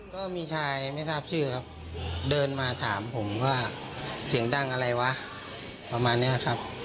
ก็มีชายไม่ทราบชื่อครับเดินมาถามผมว่าเสียงดังอะไรวะประมาณนี้ครับ